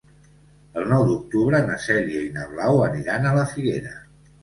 El nou d'octubre na Cèlia i na Blau aniran a la Figuera.